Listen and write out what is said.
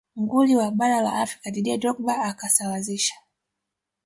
nguli wa bara la afrika didier drogba akasawazisha